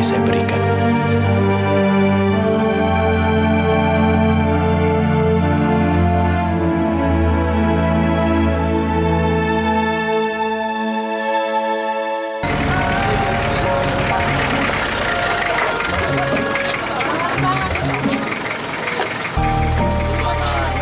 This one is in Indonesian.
perhatikan tuh lo gila